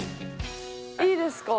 いいですか？